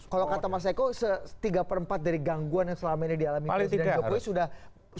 kalau kata mas eko tiga per empat dari gangguan yang selama ini dialami presiden jokowi sudah